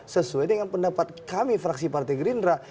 sesuai dengan pendapat kami fraksi partai gerindra